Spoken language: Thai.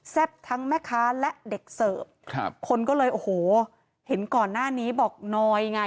ทั้งแม่ค้าและเด็กเสิร์ฟครับคนก็เลยโอ้โหเห็นก่อนหน้านี้บอกน้อยไง